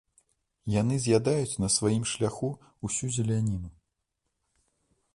Яны з'ядаюць на сваім шляху ўсю зеляніну.